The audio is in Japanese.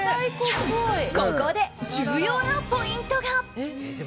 ここで重要なポイントが。